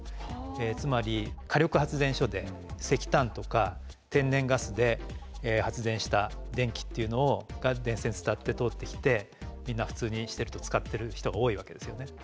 つまり火力発電所で石炭とか天然ガスで発電した電気っていうのが電線伝わって通ってきてみんな普通にしてると使ってる人が多いわけですよね。